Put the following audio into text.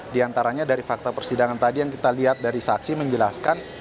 di antaranya dari fakta persidangan tadi yang kita lihat dari saksi menjelaskan